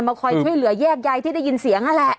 คอยช่วยเหลือแยกยายที่ได้ยินเสียงนั่นแหละ